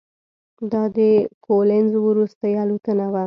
دا د کولینز وروستۍ الوتنه وه.